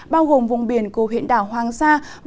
bao gồm vùng biển của huyện đảo hoàng sa